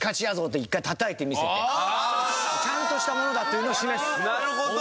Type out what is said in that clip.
って一回たたいてみせてちゃんとしたものだっていうのを示す。